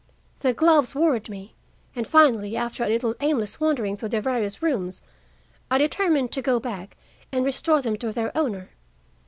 The gloves worried me, and finally, after a little aimless wandering through the various rooms, I determined to go back and restore them to their owner.